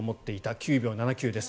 ９秒７９です。